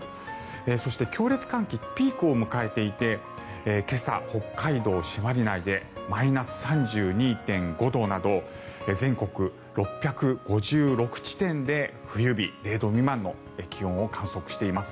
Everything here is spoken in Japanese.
そして、強烈寒気ピークを迎えていて今朝、北海道朱鞠内でマイナス３２．５度など全国６５６地点で冬日０度未満の気温を観測しています。